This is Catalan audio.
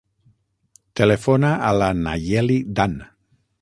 Telefona a la Nayeli Dan.